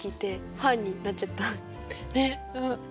ねっ！